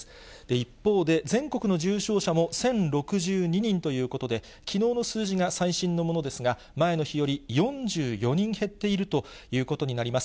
一方で全国の重症者も１０６２人ということで、きのうの数字が最新のものですが、前の日より４４人減っているということになります。